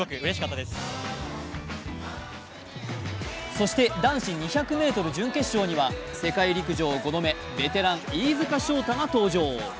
そして男子２００ｍ準決勝には世界陸上５度目ベテラン・飯塚翔太が登場。